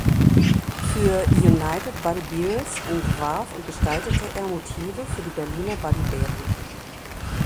Für United Buddy Bears entwarf und gestaltete er Motive für die Berliner Buddy Bären.